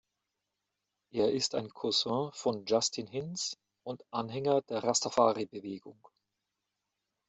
Er ist ein Cousin von Justin Hinds und Anhänger der Rastafari-Bewegung.